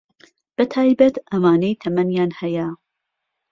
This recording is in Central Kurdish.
بەتایبەت ئەوانەی تەمەنیان هەیە